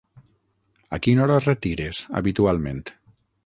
A quina hora retires, habitualment?